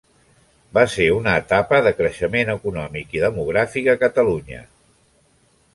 El va ser una etapa de creixement econòmic i demogràfic a Catalunya.